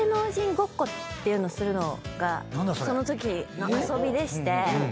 ていうのをするのがそのときの遊びでして。